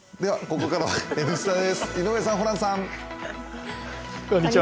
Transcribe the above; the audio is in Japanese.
ここからは「Ｎスタ」です井上さん、ホランさん。